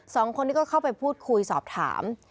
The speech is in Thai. สองคนนี้ก็เข้าไปพูดคุยสอบถาม